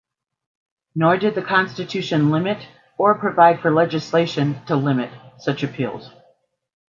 Nor did the Constitution limit, or provide for legislation to limit, such appeals.